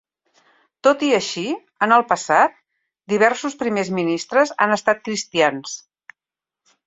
Tot i així, en el passat, diversos primers ministres han estat cristians.